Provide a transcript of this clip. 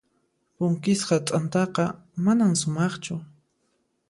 Punkisqa t'antaqa manan sumaqchu.